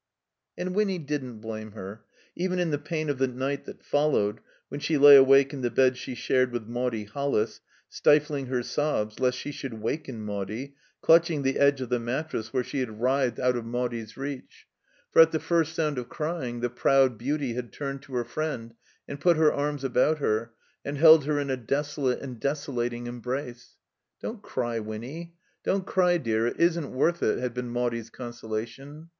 And Winny didn*t blame her; even in the pain of the night that followed, when she lay awake in the bed she shared with Maudie Hollis, stifling her sobs lest she should waken Maudie, clutching the edge of the mattress where she had writhed out of Maudie's ii8 THE COMBINED MAZE reach. For at the first sound of crying the proud beauty had turned to her friend and put her arms about her, and held her in a desolate and desolating embrace. "Don't cry, Winny; don't cry, dear. It isn't worth it," had been Maudie's consolation.